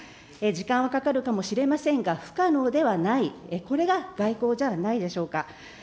時間はかかるかもしれませんが、不可能ではない、これが外交じゃないでしょうか。